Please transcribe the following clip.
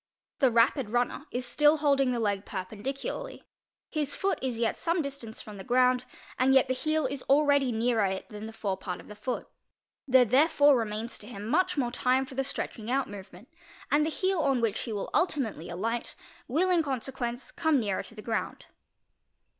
The rapi runner is still holding the le perpendicularly. His foot is ye some distance from the groun and yet the heel is already ne: it than the forepart of the foo There therefore remains to much more time for the stretel ing out movement, and the he on which he will ultimately aligl will in consequence come yet nea' to the ground.